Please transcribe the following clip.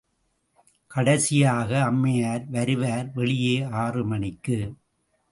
கடைசியாக அம்மையார் வருவார் வெளியே ஆறு மணிக்கு.